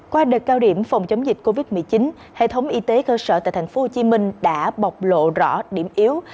qua đợt cao điểm phòng chống dịch covid một mươi chín hệ thống y tế cơ sở tại tp hcm đã bộc lộ rõ điểm yếu